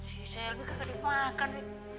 si sel ini kagak dipakan